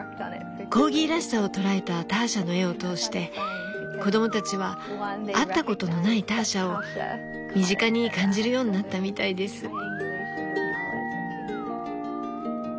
コーギーらしさを捉えたターシャの絵を通して子供たちは会ったことのないターシャを身近に感じるようになったみたいです。